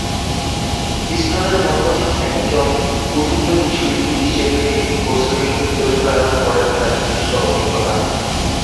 স্টোনের মত একজন উঠতি শিল্পী হিসাবে গসলিং চরিত্রায়ন করেন তার নিজস্ব অভিজ্ঞতা থেকে।